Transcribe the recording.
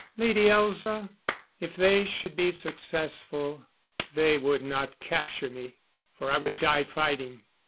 "Lady Elza, if they should be successful, they would not capture me for I would die fighting.